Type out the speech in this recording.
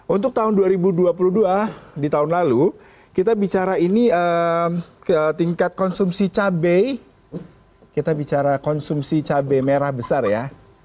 untuk tahun dua ribu dua puluh dua di tahun lalu kita bicara ini tingkat konsumsi cabai kita bicara konsumsi cabai merah besar ya